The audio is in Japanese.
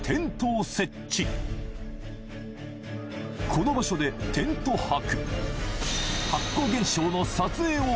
この場所でテント泊